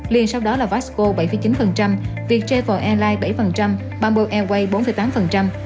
liền sau đó là vasco bảy chín viettravel airlines bảy bamboo airways bốn tám